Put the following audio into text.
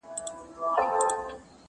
څه نرګس نرګس را ګورې څه غنچه غنچه ږغېږې,